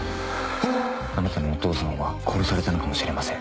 「あなたのお父さんは殺されたのかもしれません」